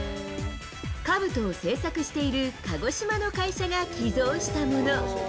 かぶとを製作している鹿児島の会社が寄贈したもの。